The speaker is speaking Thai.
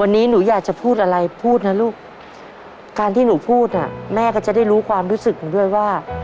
วันนี้หนูอยากจะพูดอะไรพูดนะลูกการที่หนูพูดอ่ะแม่ก็จะได้รู้ความรู้สึกหนูด้วยว่า